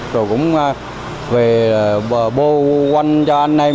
rồi cũng về bồ quanh cho anh này